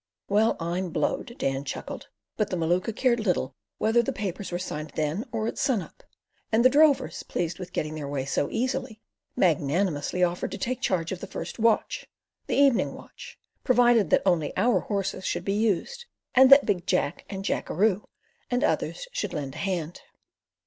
"Well, I'm blowed!" Dan chuckled, but the Maluka cared little whether the papers were signed then or at sun up; and the drovers, pleased with getting their way so easily, magnanimously offered to take charge of the first "watch"—the evening watch—provided that only our horses should be used, and that Big Jack and Jackeroo and others should lend a hand.